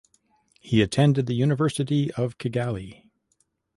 He attended University of Kigali.